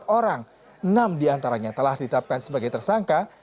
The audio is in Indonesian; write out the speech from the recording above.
tiga puluh empat orang enam di antaranya telah ditetapkan sebagai tersangka